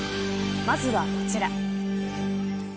まずはこちら。